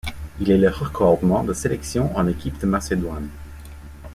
Il est le recordman de sélections en équipe de Macédoine.